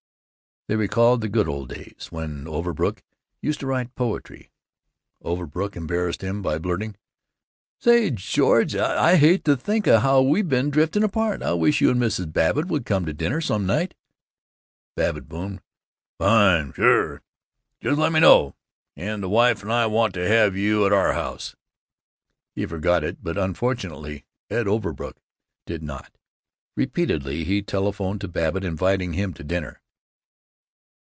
They recalled the good old days when Overbrook used to write poetry. Overbrook embarrassed him by blurting, "Say, Georgie, I hate to think of how we been drifting apart. I wish you and Mrs. Babbitt would come to dinner some night." Babbitt boomed, "Fine! Sure! Just let me know. And the wife and I want to have you at the house." He forgot it, but unfortunately Ed Overbrook did not. Repeatedly he telephoned to Babbitt, inviting him to dinner.